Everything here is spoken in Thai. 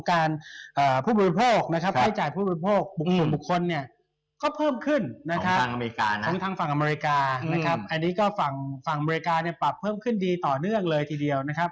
อันนี้ก็ฝั่งอเมริกาปรับเพิ่มขึ้นดีต่อเนื่องเลยทีเดียวนะครับ